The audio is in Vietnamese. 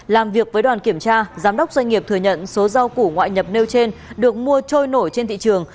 làm việc với đoàn kiểm tra giám đốc doanh nghiệp thừa nhận số rau củ ngoại nhập nêu trên được mua trôi nổi trên thị trường